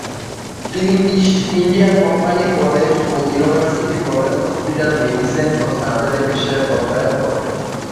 তিনি East India Company College ও university college হসপিটালে মেডিসিন ও সার্জারি বিষয়ে অধ্যয়ন করেন।